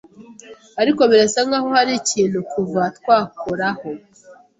Ariko birasa nkaho hari ikintu kuva twakoraho